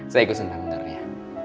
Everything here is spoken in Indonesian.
saya kesenang benarnya